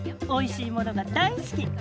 おいしい物が大好き！